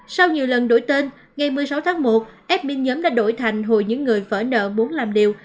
sau nhiều lần đổi tên ngày một mươi sáu tháng một admin nhóm đã đổi thành hồi những người vỡ nợ muốn làm liều